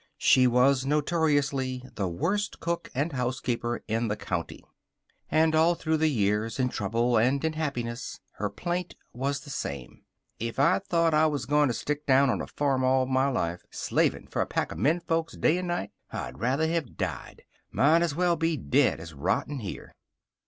She was notoriously the worst cook and housekeeper in the county. And all through the years, in trouble and in happiness, her plaint was the same "If I'd thought I was going to stick down on a farm all my life, slavin' for a pack of menfolks day and night, I'd rather have died. Might as well be dead as rottin' here."